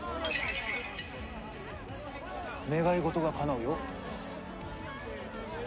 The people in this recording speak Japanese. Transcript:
願い事がかなうよ。